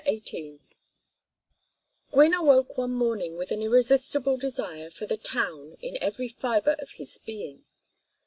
XVIII Gwynne awoke one morning with an irresistible desire for The Town in every fibre of his being.